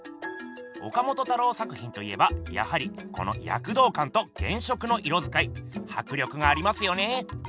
岡本太郎作品と言えばやはりこのやくどうかんと原色の色づかいはく力がありますよね。